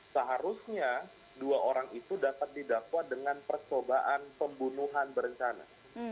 seharusnya dua orang itu dapat didakwa dengan percobaan pembunuhan berencana